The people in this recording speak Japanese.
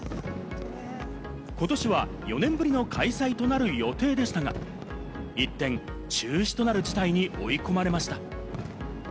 ことしは４年ぶりの開催となる予定でしたが、一転、中止となる事態に追い込まれました。